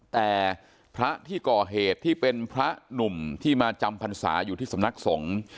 แต่พระที่ก่อเหตุที่เป็นพระหนุ่มที่มาจำพรรษาอยู่ที่สำนักสงฆ์